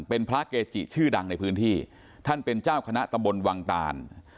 เป็นพระเกจิชื่อดังในพื้นที่ท่านเป็นเจ้าคณะตำบลวังตาน